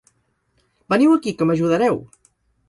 Veniu aquí, que m'ajudareu!